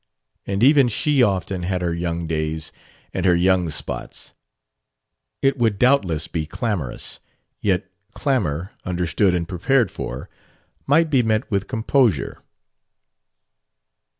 And even she often had her young days and her young spots. It would doubtless be clamorous; yet clamor, understood and prepared for, might be met with composure.